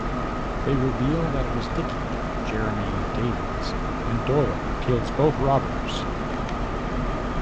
They reveal that it was Dickie (Jeremy Davies) and Doyle kills both robbers.